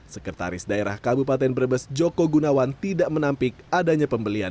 sekretaris daerah kabupaten brebes joko gunawan tidak menampik adanya pembelian